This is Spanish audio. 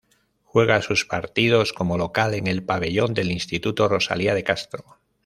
Juega sus partidos como local en el pabellón del Insituto Rosalia de Castro.